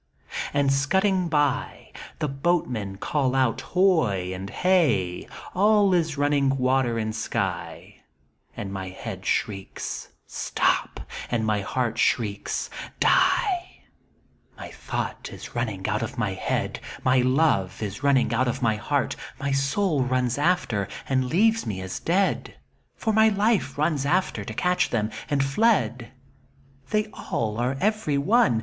And scudding by The boatmen call oiit hoy ! and hey I And all is running in water and sky, And my heid shrieks — "Stop," And my heart shrieks —" Die.*' 86 A Tragedy, My thought is running out of my head ; My love is running out of my heart ; My soul runs after, and leaves me as dead, For my life runs after to catch them — and fled They are all every one